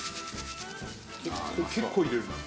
結構入れるな。